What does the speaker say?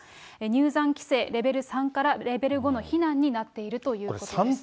入山規制、レベル３からレベル５の避難になっているということです。